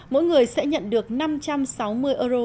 mỗi người sẽ nhận được năm trăm sáu mươi euro